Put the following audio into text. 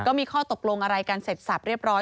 ก็มีข้อตกลงอะไรกันเสร็จสับเรียบร้อย